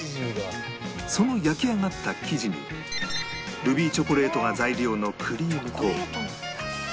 その焼き上がった生地にルビーチョコレートが材料のクリームと